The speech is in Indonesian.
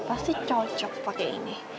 pasti cocok pakai ini